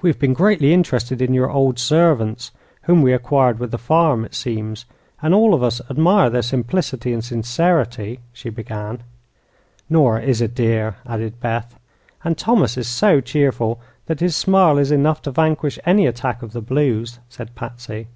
"We have been greatly interested in your old servants whom we acquired with the farm, it seems and all of us admire their simplicity and sincerity," she began. "Nora is a dear," added Beth. "And Thomas is so cheerful that his smile is enough to vanquish any attack of the blues," said Patsy.